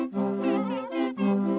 pertama suara dari biasusu